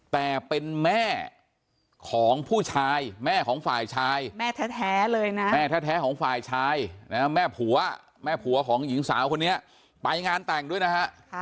แต่เป็นแม่ของผู้ชายแม่ของฝ่ายชายแม่แท้เลยนะแม่แท้ของฝ่ายชายแม่ผัวแม่ผัวของหญิงสาวคนนี้ไปงานแต่งด้วยนะฮะ